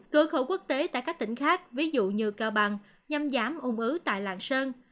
cửa khẩu quốc tế tại các tỉnh khác ví dụ như cao bằng nhằm giảm ung ứ tại lạng sơn